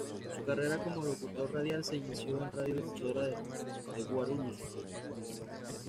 Su carrera como locutor radial se inició en Radio Difusora de Guarulhos.